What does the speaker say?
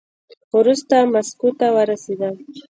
وروسته ماسکو ته ورسېدم.